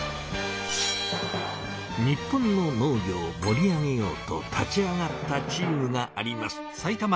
日本の農業をもり上げようと立ち上がったチームがあります。